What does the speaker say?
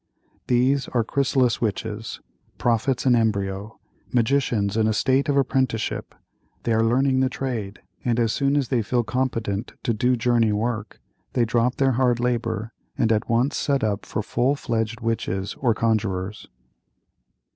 These are chrysalis witches; prophets in embryo; magicians in a state of apprenticeship; they are learning the trade, and as soon as they feel competent to do journey work, they drop their hard labor, and at once set up for full fledged witches or conjurors.